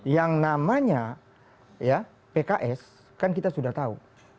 yang namanya ya pks kan kita sudah tahu